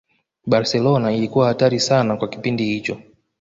Barcelona ilikuwa hatari sana kwa kipindi hicho